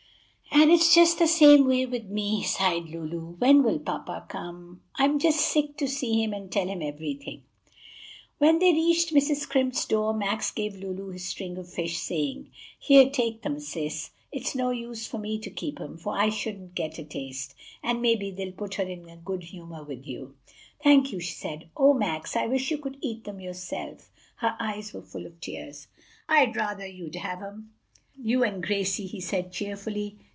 and it's just the same way with me!" sighed Lulu. "When will papa come? I'm just sick to see him and tell him everything!" When they reached Mrs. Scrimp's door Max gave Lulu his string of fish, saying, "Here, take them, Sis. It's no use for me to keep 'em, for I shouldn't get a taste; and maybe they'll put her in a good humor with you." "Thank you," she said. "O Max, I wish you could eat them yourself!" Her eyes were full of tears. "I'd rather you'd have 'em; you and Gracie," he said cheerfully.